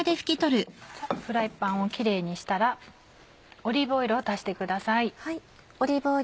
フライパンをキレイにしたらオリーブオイルを足してください。